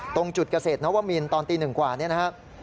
ตรงจุดเกษตรนวมินตอนตี๑กว่านี้นะครับ